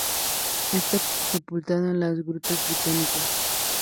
Está sepultado en las Grutas Vaticanas.